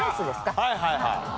はいはいはい。